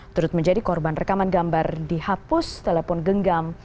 turut menjadi korban rekaman gambar dihapus telepon genggam